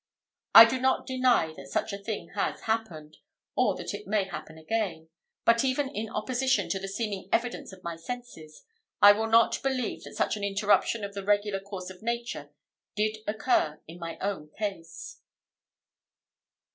I do not deny that such a thing has happened or that it may happen again; but, even in opposition to the seeming evidence of my senses, I will not believe that such an interruption of the regular course of nature did occur in my own case.